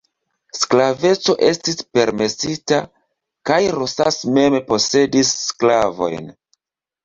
Sklaveco estis permesita kaj Rosas mem posedis sklavojn.